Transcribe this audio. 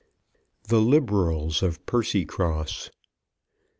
THE LIBERALS OF PERCYCROSS.